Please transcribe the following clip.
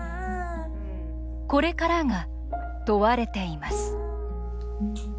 これからが問われています